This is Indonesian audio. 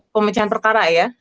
pemecahan perkara ya